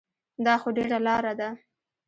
دا خو ډېره لاره ده.